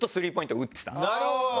なるほど！